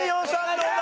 どうだ？